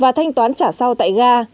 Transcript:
và thanh toán trả sau tại ga